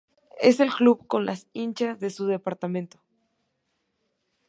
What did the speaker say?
Es el club con más hinchas en su departamento.